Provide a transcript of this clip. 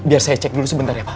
biar saya cek dulu sebentar ya